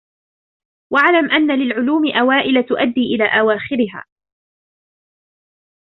وَاعْلَمْ أَنَّ لِلْعُلُومِ أَوَائِلَ تُؤَدِّي إلَى أَوَاخِرِهَا